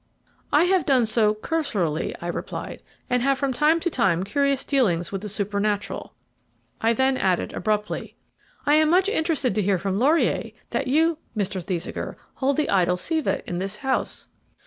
"I have done so cursorily," I replied, "and have had from time to time curious dealings with the supernatural." I then added abruptly, "I am much interested to hear from Laurier that you, Mr. Thesiger, possess the idol Siva in this house."